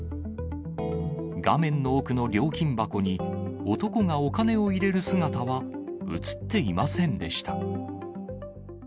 画面の奥の料金箱に、男がお金を入れる姿は写っていませんでした。